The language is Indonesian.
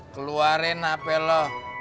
keluarin hape lo